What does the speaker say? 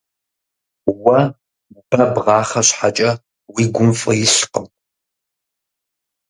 Уэ бэ бгъахъэ щхьэкӀэ, уи гум фӀы илъкъым.